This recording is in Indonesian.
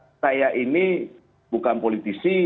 bukan politisi saya ini bukan politisi